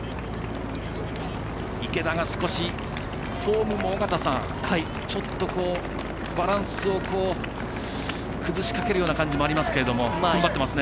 池田が少しフォームもちょっとバランスを崩しかけるような感じもありますけれどもふんばっていますね。